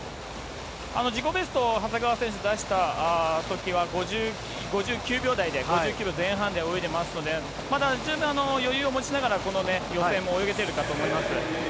自己ベスト、長谷川選手、出したときは、５９秒台で、５９秒前半で泳いでいますので、まだ十分余裕を持ちながら、この予選も泳げてるかと思います。